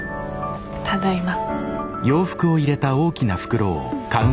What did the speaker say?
ただいま。